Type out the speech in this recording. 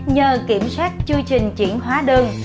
nhờ kiểm soát chương trình chuyển hóa đường